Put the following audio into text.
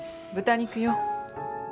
豚肉よ。